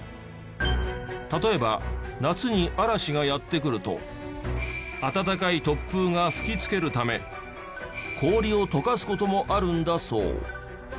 例えば夏に嵐がやって来ると暖かい突風が吹きつけるため氷を溶かす事もあるんだそう。